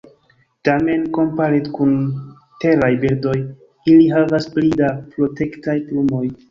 Tamen, kompare kun teraj birdoj, ili havas pli da protektaj plumoj.